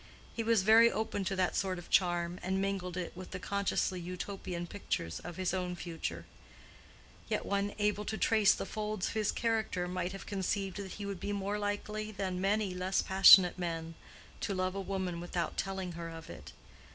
He was very open to that sort of charm, and mingled it with the consciously Utopian pictures of his own future; yet any one able to trace the folds of his character might have conceived that he would be more likely than many less passionate men to love a woman without telling her of it.